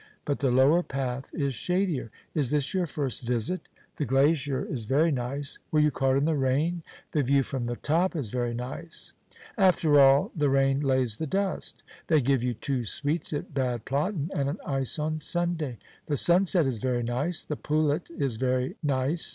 but the lower path is shadier." "Is this your first visit?" "The glacier is very nice." "Were you caught in the rain?" "The view from the top is very nice." "After all, the rain lays the dust." "They give you two sweets at Bad Platten and an ice on Sunday." "The sunset is very nice." "The poulet is very nice."